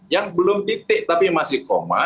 yang belum titik tapi masih koma